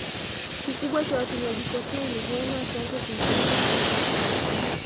kikubwa cha watumiaji kokeni huenda wasianze kuitumia hadi